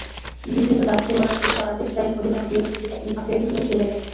বিশেষত ডাচ খেলোয়াড়েরা যেভাবে আর্জেন্টাইন অধিনায়ক লিওনেল মেসিকে আটকে রেখেছিলেন, সেই জায়গাগুলো।